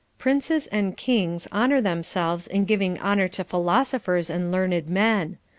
Princes and kings honor themselves in giving honor to philosophers and learned men.